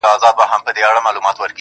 وای هسې نه چي تا له خوبه و نه باسم,